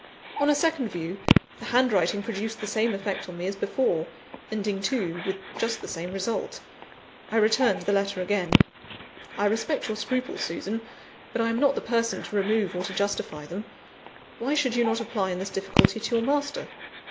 On a second view, the handwriting produced the same effect on me as before, ending too with just the same result. I returned the letter again. "I respect your scruples, Susan, but I am not the person to remove or to justify them. Why should you not apply in this difficulty to your master?"